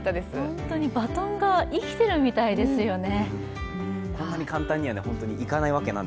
本当にバトンが生きているみたいですよね。